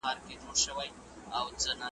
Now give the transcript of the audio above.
هره ورځ به یې کوله پروازونه .